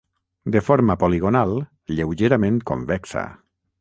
De forma poligonal, lleugerament convexa.